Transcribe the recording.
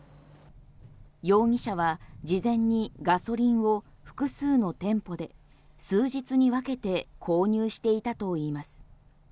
容疑者は事前にガソリンを複数の店舗で数日に分けて購入していたといいます。